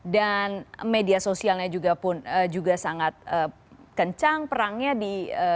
dan media sosialnya juga sangat kencang perangnya di